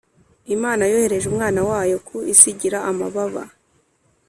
imana yohereje umwana wayo ku isiigira amababa